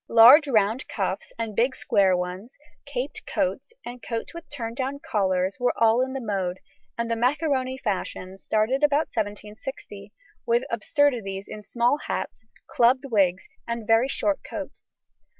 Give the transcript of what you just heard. Large round cuffs and big square ones, caped coats, and coats with turn down collars were all in the mode, and the "maccaroni" fashions started about 1760, with absurdities in small hats, clubbed wigs, and very short coats.